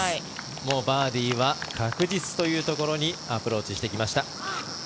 もうバーディーは確実というところにアプローチしてきました。